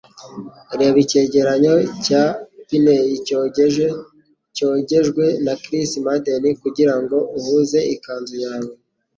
Reba icyegeranyo cya JCPenney cyogeje cyogejwe na Chris Madden kugirango uhuze ikanzu yawe.